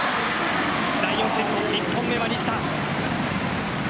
第４セット、１本目は西田。